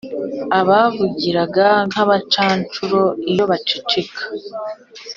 abavugiraga nk'abacanshuro iyo baceceka